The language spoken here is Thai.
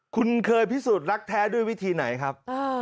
คุณเคยพิสูจน์รักแท้ด้วยวิธีไหนครับ